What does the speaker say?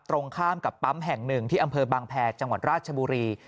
ตรงข้ามกับปั๊มแห่งหนึ่งที่อำเภอบางแพรจังหวัดราชบุรี